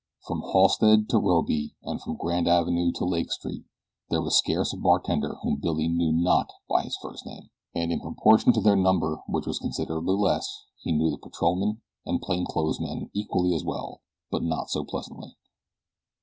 From Halsted to Robey, and from Grand Avenue to Lake Street there was scarce a bartender whom Billy knew not by his first name. And, in proportion to their number which was considerably less, he knew the patrolmen and plain clothes men equally as well, but not so pleasantly.